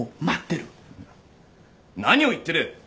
なっ何を言ってる！